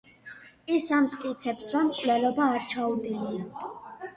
ის ამტკიცებს, რომ მკვლელობა არ ჩაუდენია.